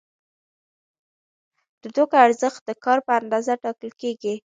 د توکو ارزښت د کار په اندازه ټاکل کیږي.